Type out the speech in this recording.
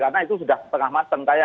karena itu sudah setengah matang